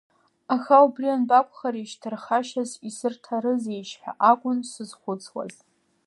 Аха, убри анбакәхаришь, ҭархашьас исырҭарызеишь ҳәа акәын сзызхәыцуаз.